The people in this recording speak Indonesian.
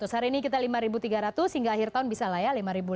terus hari ini kita lima tiga ratus hingga akhir tahun bisa lah ya lima ratus